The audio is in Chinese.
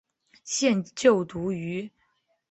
现就读于。